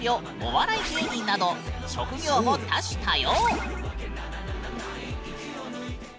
お笑い芸人など職業も多種多様。